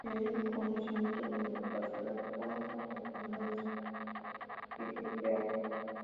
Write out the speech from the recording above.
El conocimiento como capacidad para transformar el espacio y re-crearlo.